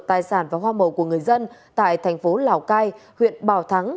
tài sản và hoa màu của người dân tại thành phố lào cai huyện bảo thắng